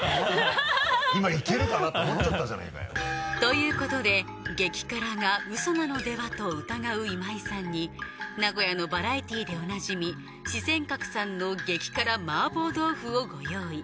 今いけるかなと思っちゃったじゃないかよ。ということで激辛がウソなのではと疑う今井さんに名古屋のバラエティーでおなじみ「四川閣」さんの激辛麻婆豆腐をご用意